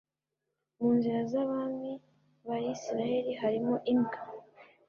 mu nzira z abami ba Isirayeli harimo imbwa